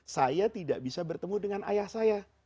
saya tidak bisa bertemu dengan ayah saya